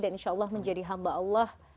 dan insya allah menjadi hamba allah